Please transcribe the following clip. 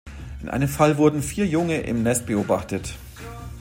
In einem Fall wurden vier Junge im Nest beobachtet.